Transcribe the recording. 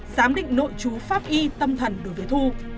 giám định nội chú pháp y tâm thần đối với thu